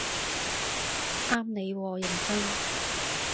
啱你喎認真